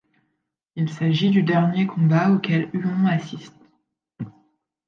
Il s'agit du dernier combat auquel Huon assiste.